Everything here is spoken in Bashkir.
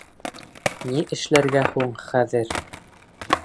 Ни эшләргә һуң хәҙер?